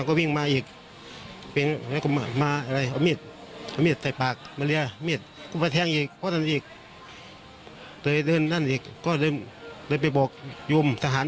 ตอนนั้นพระธาตุที่ถูกแทงมันต้องไปตอนนั้น